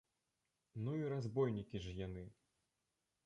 Ну і разбойнікі ж яны!